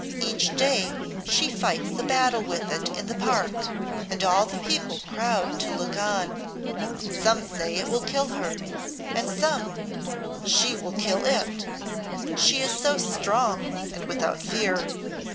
Each day she fights a battle with it in the park, and all the people crowd to look on. Some say it will kill her, and some she will kill it. She is so strong and without fear."